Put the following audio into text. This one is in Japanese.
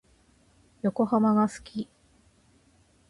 横浜が好き。